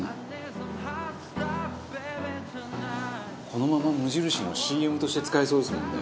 「このまま無印のＣＭとして使えそうですもんね」